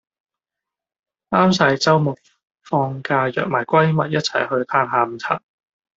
啱晒週末放假約埋閨密一齊去歎下午茶